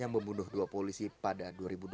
yang membunuh dua polisi pada dua ribu dua belas